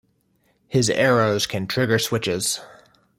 His arrows can trigger switches.